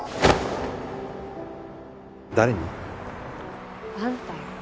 誰に？あんたよ。